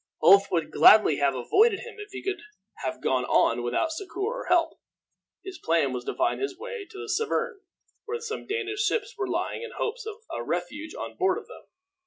Ulf would gladly have avoided him if he could have gone on without succor or help. His plan was to find his way to the Severn, where some Danish ships were lying, in hopes of a refuge on board of them.